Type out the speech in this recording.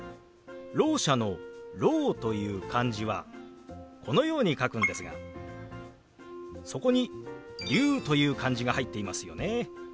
ろう者の「聾」という漢字はこのように書くんですがそこに「龍」という漢字が入っていますよね。